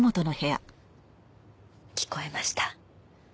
聞こえました。